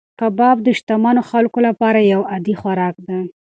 کباب د شتمنو خلکو لپاره یو عادي خوراک دی.